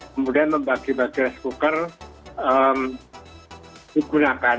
kemudian membagi bagi raspoker digunakan